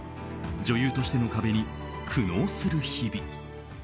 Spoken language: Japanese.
女優としての壁に苦悩する日々。